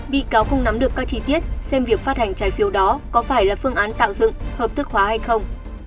bị cáo không nắm được các chi tiết xem việc phát hành trái phiếu đó có phải là phương án tạo dựng hợp thức hóa hay không